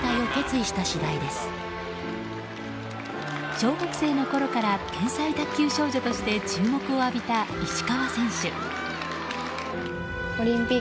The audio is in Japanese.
小学生のころから天才卓球少女として注目を浴びた石川選手。